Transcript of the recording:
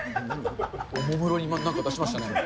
おもむろになんか出しましたね。